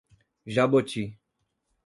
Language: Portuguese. Jaboti